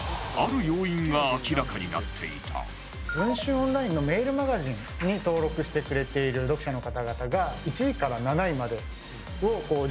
オンラインのメールマガジンに登録してくれている読者の方々が１位から７位までを順番をつけて。